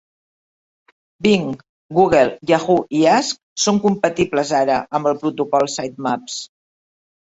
Bing, Google, Yahoo i Ask són compatibles ara amb el protocol Sitemaps.